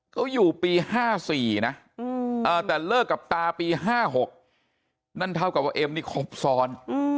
เขาอยู่ปี๕๔นะแต่เลิกกับตาปี๕๖นั่นเท่ากับว่าเอ็มนี่ครบซ้อน